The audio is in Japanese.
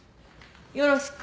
よろしく。